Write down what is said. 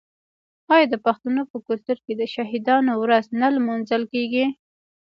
آیا د پښتنو په کلتور کې د شهیدانو ورځ نه لمانځل کیږي؟